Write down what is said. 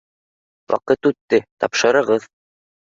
— Ваҡыт үтте, тапшырығыҙ!